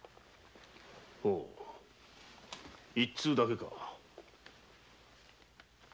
ほう一通だけか？